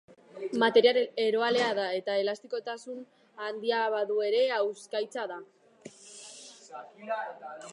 Material eroalea da eta, elastikotasun handia badu ere, hauskaitza da.